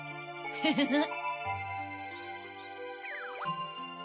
フフフっ。